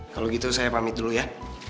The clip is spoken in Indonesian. kalau gitu saya pamit dulu ya